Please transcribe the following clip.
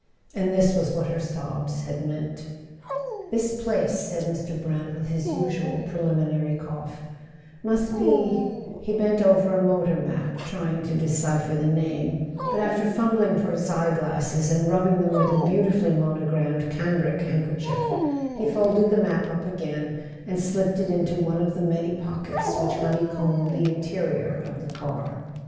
And this was what her sobs had meant. .. "This place," said Mr. Brant, with his usual pre¬ liminary cough, "must be " Fie bent over a motor map, trying to decipher the name; but after fumbling for his eye glasses, and rubbing them with a beauti¬ fully monogrammed cambric handkerchief, he folded the map up again and slipped it into one of the many pockets which honeycombed the interior of the car.